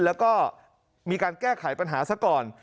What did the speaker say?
แล้วก็มีการแก้ไขปัญหาซะก่อน